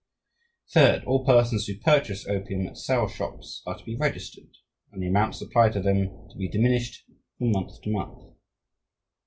Third, all persons who purchase opium at sale shops are to be registered, and the amount supplied to them to be diminished from month to month.